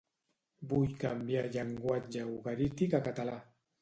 Vull canviar llenguatge ugarític a català